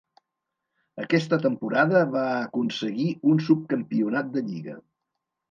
Aquesta temporada va aconseguir un subcampionat de lliga.